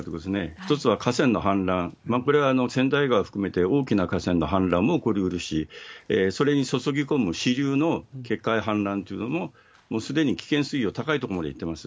一つは河川の氾濫、これは川内川含めて、大きな河川の氾濫も起こりうるし、それにそそぎ込む支流の決壊氾濫というのも、もうすでに危険水位は高い所までいってます。